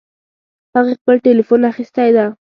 هغې خپل ټیلیفون اخیستی ده